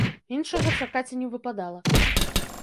Іншага чакаць і не выпадала.